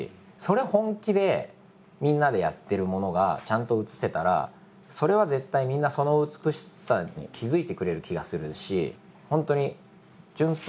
それ本気でみんなでやってるものがちゃんと映せたらそれは絶対みんなその美しさに気付いてくれる気がするし。